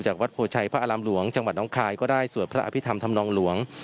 วัดโพชัยพระอารามหลวงจังหวัดน้องคายก็ได้สวดพระอภิษฐรรมธรรมนองหลวง